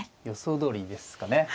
予想どおりですかね。